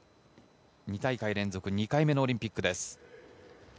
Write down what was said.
２大会連続、２回目のオリンピックです。